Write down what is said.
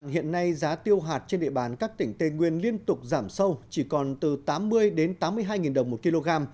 hiện nay giá tiêu hạt trên địa bàn các tỉnh tây nguyên liên tục giảm sâu chỉ còn từ tám mươi đến tám mươi hai đồng một kg